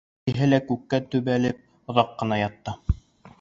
Икеһе лә күккә төбәлеп оҙаҡ ҡына ятты.